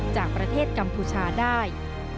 จากประเทศกัมพูชาได้